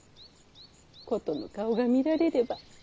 ことの顔が見られれば。